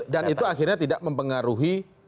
dan itu akhirnya tidak mempengaruhi